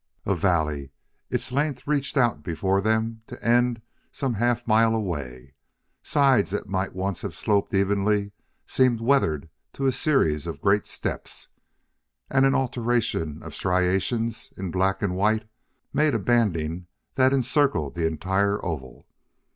A valley. Its length reached out before them to end some half mile away. Sides that might once have sloped evenly seemed weathered to a series of great steps, and an alternation of striations in black and white made a banding that encircled the entire oval.